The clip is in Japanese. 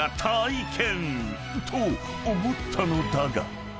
［と思ったのだが］